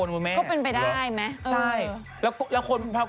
นี่เป็นไปได้ไหมเออใช่